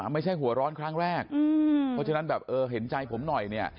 ไม่ใช่หัวร้อนครั้งแรกเพราะฉะนั้นแบบเออเห็นใจผมหน่อยเนี่ย